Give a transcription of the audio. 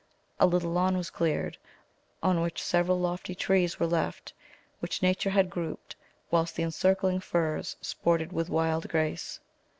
A little lawn was cleared, on which several lofty trees were left which nature had grouped, whilst the encircling firs sported with wild grace.